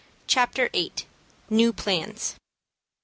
CHAPTER VIII. NEW PLANS.